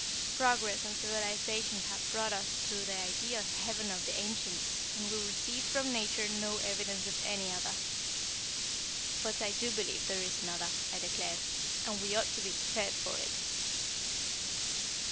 Progress and civilization have brought to us the ideal heaven of the ancients, and we receive from Nature no evidence of any other." "But I do believe there is another," I declared. "And we ought to be prepared for it."